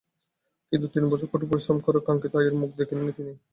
কিন্তু তিন বছর কঠোর পরিশ্রম করেও কাঙ্ক্ষিত আয়ের মুখ দেখেননি তিনি।